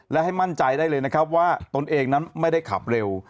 และให้มั่นใจได้เลยนะครับว่าตนเองนั้นไม่ได้ขับเร็ว